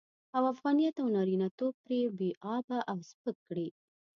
او افغانيت او نارينه توب پرې بې آبه او سپک کړي.